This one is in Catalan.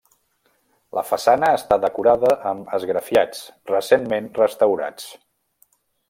La façana està decorada amb esgrafiats, recentment restaurats.